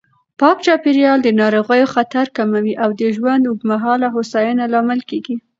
پاک چاپېریال د ناروغیو خطر کموي او د ژوند اوږدمهاله هوساینې لامل کېږي.